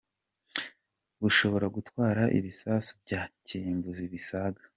Bushobora gutwara ibisasu bya kirimbuzi bisaga .